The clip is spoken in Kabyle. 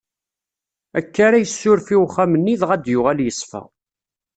Akka ara yessuref i uxxam-nni, dɣa ad yuɣal iṣfa.